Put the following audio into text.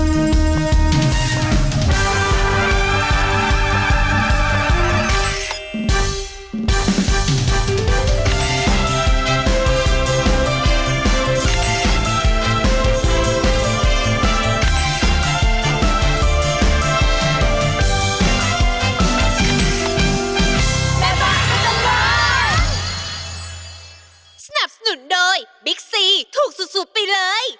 แม่บ้านประจันบาล